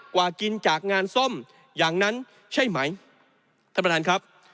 กว่ากินจากงานซ่อมอย่างนั้นใช่ไหมท่านประธานครับ